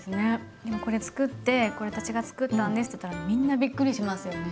これつくってこれ私がつくったんですって言ったらみんなびっくりしますよね。